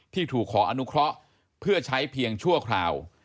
ที่ถูกขออนุเคราะห์เพื่อใช้เพียงชั่วคราว